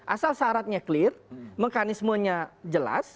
asal syaratnya clear mekanismenya jelas